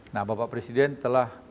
nah bapak presiden telah berkata bahwa